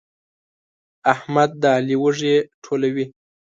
احمد د علي وږي ټولوي.